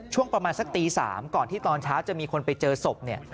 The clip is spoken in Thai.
ช่วงประมาณสักตี๓ก่อนที่ตอนเช้าจะมีคนไปเจอศพเนี่ย